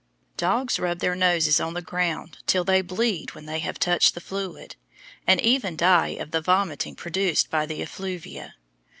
Dogs rub their noses on the ground till they bleed when they have touched the fluid, and even die of the vomiting produced by the effluvia.